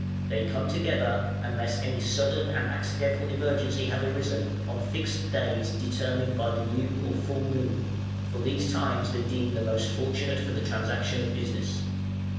They come together, unless any sudden and accidental emergency have arisen, on fixed days determined by the new or full moon; for these times they deem the most fortunate for the transaction of business.